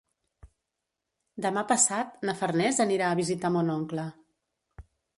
Demà passat na Farners anirà a visitar mon oncle.